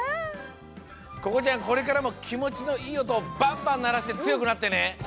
ここちゃんこれからもきもちのいいおとをバンバンならしてつよくなってね。